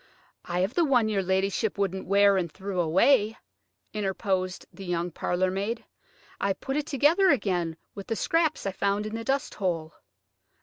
"I have the one your ladyship wouldn't wear, and threw away," interposed the young parlour maid. "I put it together again with the scraps I found in the dusthole."